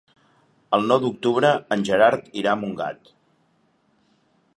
El nou d'octubre en Gerard irà a Montgat.